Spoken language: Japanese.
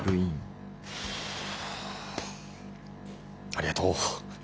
ありがとう。